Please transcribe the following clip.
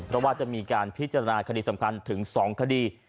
เพราะว่าจะมีการพิจารณาคดีสำคัญถึง๒คดี